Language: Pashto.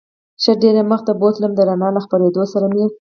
ښه ډېر یې مخ ته بوتلم، د رڼا له خپرېدو سره مې.